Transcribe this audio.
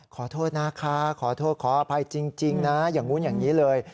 ขอโทษนะคะขอโทษขออภัยจริงนะอย่างนู้นอย่างนี้เลย